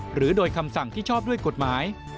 หรือโดยคำสั่งที่ชอบด้วยกฎหมาย